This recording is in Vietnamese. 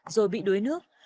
rồi bị đuối nước